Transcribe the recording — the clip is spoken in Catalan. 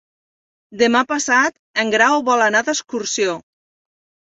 Demà passat en Grau vol anar d'excursió.